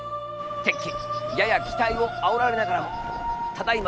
敵機やや機体をあおられながらもただいま